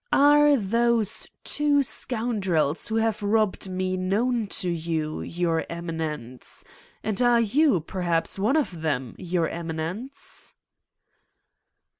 Are those two scoundrels who have robbed me known to you, Your Eminence 1 And are you, per haps, one of them, Your Eminence?'